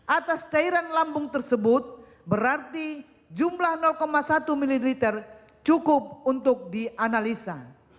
atas cairan lambung tersebut berarti jumlah satu mililiter cukup untuk dianalisa